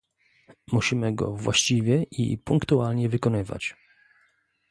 Musimy go właściwie i punktualnie wykonywać